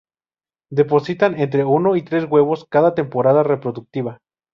Depositan entre uno y tres huevos cada temporada reproductiva.